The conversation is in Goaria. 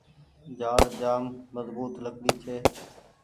جآڙ جآم مزبوت لڪڙي ڇي۔